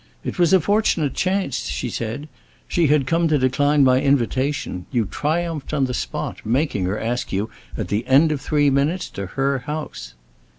"It was a fortunate chance," she said. "She had come to decline my invitation. You triumphed on the spot, making her ask you, at the end of three minutes, to her house."